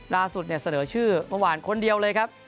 เสนอชื่อเมื่อวานคนเดียวเลยครับ